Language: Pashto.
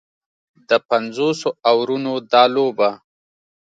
د پنځوسو اورونو دا لوبه